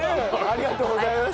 ありがとうございます。